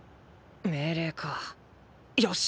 命令かよし。